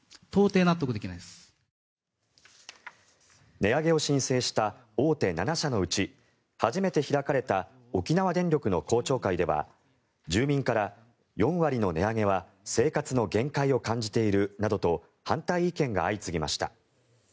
値上げを申請した大手７社のうち初めて開かれた沖縄電力の公聴会では住民から、４割の値上げは生活の限界を感じているなどと反対意見が相次ぎました。